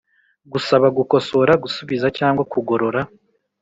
Gusaba gukosora gusubiza cyangwa kugorora